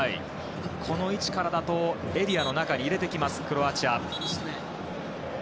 この位置からだとエリア内に入れてきますクロアチア。